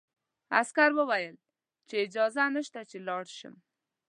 عسکر وویل چې اجازه نشته چې لاړ شم.